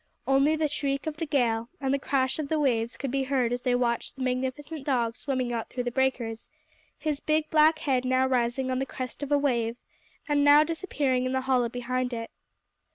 Only the shriek of the gale and the crash of the waves could be heard as they watched the magnificent dog swimming out through the breakers, his big black head now rising on the crest of a wave and now disappearing in the hollow behind it.